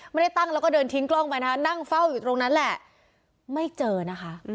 ไม่ได้ตั้งแล้วก็เดินทิ้งกล้องไปนะคะนั่งเฝ้าอยู่ตรงนั้นแหละไม่เจอนะคะ